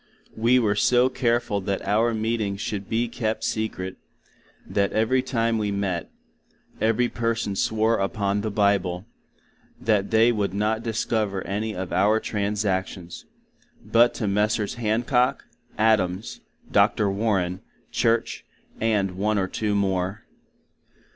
We were so carefull that our meetings should be kept Secret; that every time we met, every person swore upon the Bible, that they would not discover any of our transactions, But to Messrs. HANCOCK, ADAMS, Doctors WARREN, CHURCH, and one or two more.